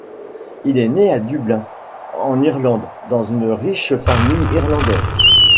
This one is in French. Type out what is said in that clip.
Il est né à Dublin, en Irlande dans une riche famille irlandaise.